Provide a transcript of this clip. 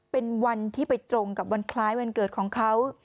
เป็นวันที่ไปตรงกับวันคล้ายวันเกิดของเขา